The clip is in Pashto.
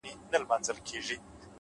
هره لحظه د بدلون فرصت لري